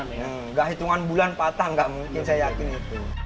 enggak hitungan bulan patah nggak mungkin saya yakin itu